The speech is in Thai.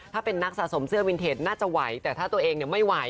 ถ้าเป็นนักสะสมเสื้อวินเทจน่าจะไหวแต่ถ้าตัวเองไม่ไหว